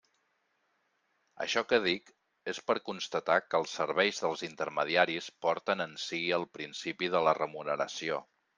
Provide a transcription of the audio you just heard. Això que dic és per constatar que els serveis dels intermediaris porten en si el principi de la remuneració.